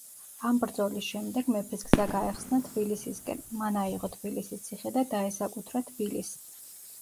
ამ ბრძოლის შემდეგ მეფეს გზა გაეხსნა თბილისისკენ, მან აიღო თბილისის ციხე და დაესაკუთრა თბილის.